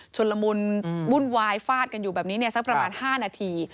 ละมุนวุ่นวายฟาดกันอยู่แบบนี้สักประมาณ๕นาที